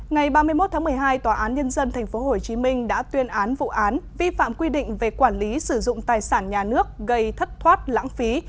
ngày ba mươi một tháng một mươi hai tòa án nhân dân tp hcm đã tuyên án vụ án vi phạm quy định về quản lý sử dụng tài sản nhà nước gây thất thoát lãng phí